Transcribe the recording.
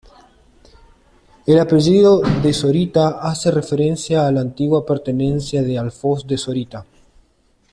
El apellido "de Zorita" hace referencia a la antigua pertenencia al alfoz de Zorita.